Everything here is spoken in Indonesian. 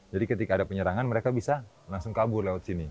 jadi ketika ada penyerangan mereka bisa langsung kabur lewat sini